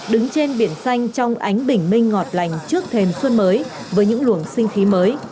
đứng trên biển xanh trong ánh bình minh ngọt lành trước thềm xuân mới với những luồng sinh khí mới